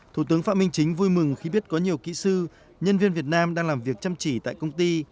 thủ tướng phạm minh chính vui mừng khi biết có nhiều kỹ sư nhân viên việt nam đang làm việc chăm chỉ tại công ty